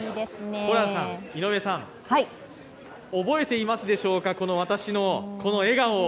ホランさん、井上さん、覚えていますでしょうか、この私のこの笑顔を。